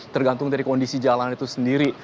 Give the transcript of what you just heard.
tergantung dari kondisi jalan itu sendiri